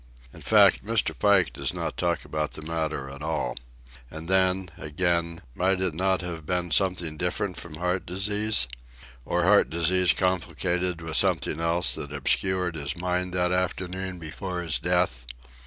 In fact, Mr. Pike does not talk about the matter at all.—And then, again, might it not have been something different from heart disease? Or heart disease complicated with something else that obscured his mind that afternoon before his death?